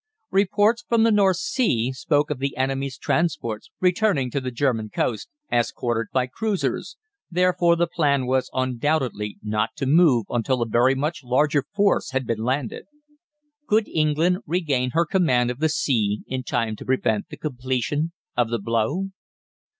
Reports from the North Sea spoke of the enemy's transports returning to the German coast, escorted by cruisers; therefore the plan was undoubtedly not to move until a very much larger force had been landed. Could England regain her command of the sea in time to prevent the completion of the blow?